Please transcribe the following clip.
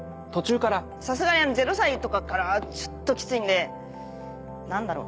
さすがに０歳とかからはちょっとキツいんで何だろう